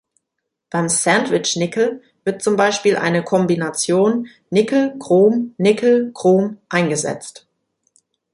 Beim Sandwich-Nickel wird zum Beispiel eine Kombination Nickel-Chrom-Nickel-Chrom eingesetzt.